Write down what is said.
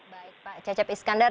baik pak cajet iskandar